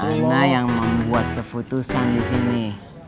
ada yang membuat keputusan di sini